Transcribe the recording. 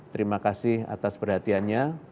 terima kasih atas perhatiannya